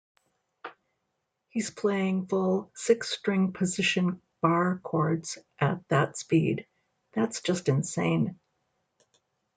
He's playing full, six-string-position barre chords at that speed-- that's just insane.